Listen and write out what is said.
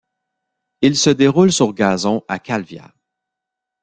Il se déroule sur gazon à Calvià.